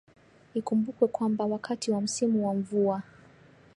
Ikumbukwe kwamba wakati wa msimu wa mvua